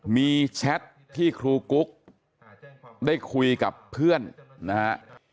มีแชทที่ครูกุ๊กได้คุยกับเพื่อนนะฮะ